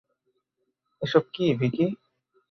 এসব কী, ভিকি?